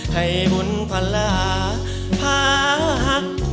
ให้บุญภาระพาหัก